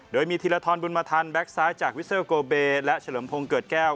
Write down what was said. โดยมีธีรฐรบุญมธรรมแบคซ้ายจากวิสเซอร์โกเบและเฉลิมพรงเกิดแก้ว